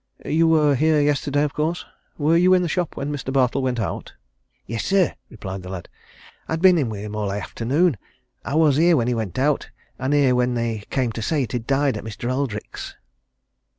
You were here yesterday, of course? Were you in the shop when Mr. Bartle went out?" "Yes, sir," replied the lad. "I'd been in with him all the afternoon. I was here when he went out and here when they came to say he'd died at Mr. Eldrick's."